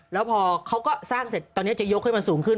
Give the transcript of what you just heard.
แล้วพอเขาก็สร้างเสร็จตอนนี้จะยกให้มันสูงขึ้น